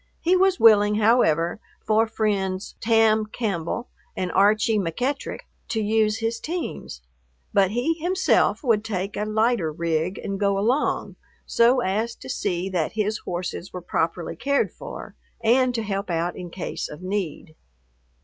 He was willing, however, for friends Tam Campbell and Archie McEttrick to use his teams, but he himself would take a lighter rig and go along, so as to see that his horses were properly cared for, and to help out in case of need.